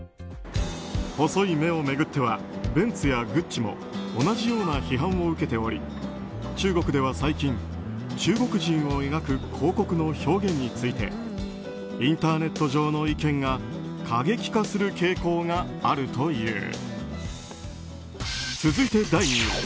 細い目を巡ってはベンツやグッチも同じような批判を受けており中国では最近、中国人を描く広告の表現についてインターネット上の意見が過激化する傾向があるという。